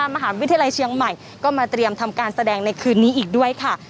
มหาวิทยาลัยเชียงใหม่ก็มาเตรียมทำการแสดงในคืนนี้อีกด้วยค่ะ